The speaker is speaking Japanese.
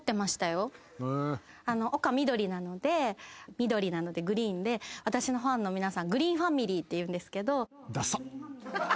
みどりなのでグリーンで私のファンの皆さんグリーンファミリーっていうんですけど。